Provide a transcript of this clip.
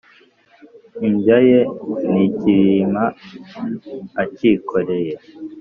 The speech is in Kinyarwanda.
imbya ye n' ikibirima acyikoreye.